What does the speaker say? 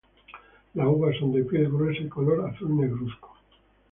Las uvas son de piel gruesa y color azul negruzco.